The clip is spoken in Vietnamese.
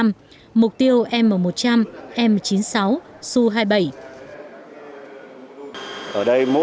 mục tiêu m một mươi một